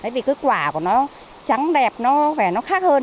vì cái quả của nó trắng đẹp nó khá hơn